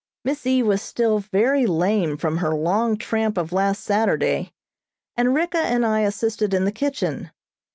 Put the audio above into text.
Miss E. was still very lame from her long tramp of last Saturday, and Ricka and I assisted in the kitchen.